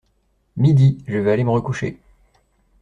Midi… je vais aller me recoucher.